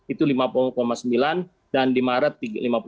itu lima puluh sembilan dan di maret lima puluh